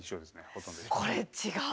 これ違う！